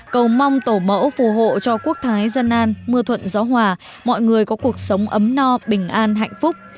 cầu mong tổ mẫu phù hộ cho quốc thái dân an mưa thuận gió hòa mọi người có cuộc sống ấm no bình an hạnh phúc